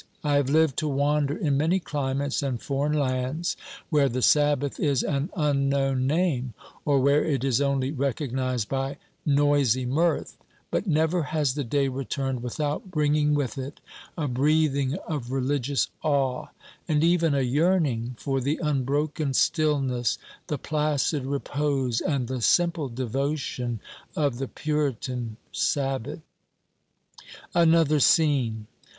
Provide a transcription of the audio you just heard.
I have lived to wander in many climates and foreign lands, where the Sabbath is an unknown name, or where it is only recognized by noisy mirth; but never has the day returned without bringing with it a breathing of religious awe, and even a yearning for the unbroken stillness, the placid repose, and the simple devotion of the Puritan Sabbath. ANOTHER SCENE.